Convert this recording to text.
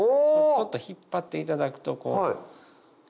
ちょっと引っ張っていただくとこう。